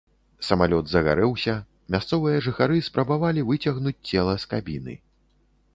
Самалёт загарэўся, мясцовыя жыхары спрабавалі выцягнуць цела з кабіны.